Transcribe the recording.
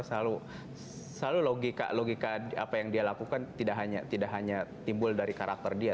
selalu logika apa yang dia lakukan tidak hanya timbul dari karakter dia